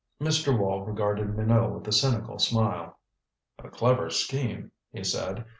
Mr. Wall regarded Minot with a cynical smile. "A clever scheme," he said.